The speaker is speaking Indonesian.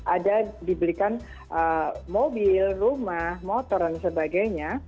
ada dibelikan mobil rumah motor dan sebagainya